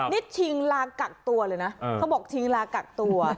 นี่ชิงลากักตัวเลยนะเขาบอกชิงลากักตัว